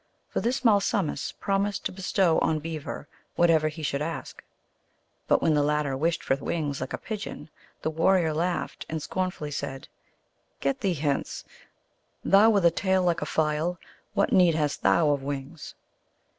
For this Malsumsis promised to bestow on Beaver what ever he should ask ; but when the latter wished for wings like a pigeon, the warrior laughed, and scorn fully said, " Get thee hence ; thou with a tail like a file, what need hast thou of wings